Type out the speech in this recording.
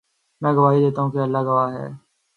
میں گواہی دیتا ہوں کہ اللہ گواہ ہے